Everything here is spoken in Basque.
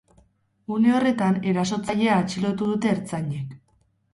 Une horretan erasotzailea atxilotu dute ertzainek.